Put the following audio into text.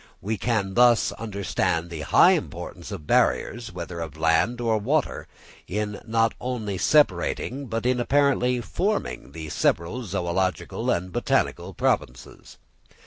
We can thus understand the high importance of barriers, whether of land or water, in not only separating but in apparently forming the several zoological and botanical provinces.